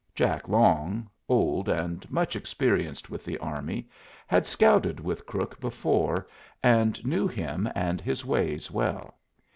Jack Long, old and much experienced with the army, had scouted with Crook before, and knew him and his ways well.